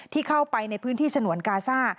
ที่เข้าไปในพื้นที่ฉนวนกาซ่า